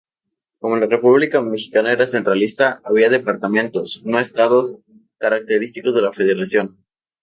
Como la república mexicana era centralista, había departamentos, no estados –característicos de la federación.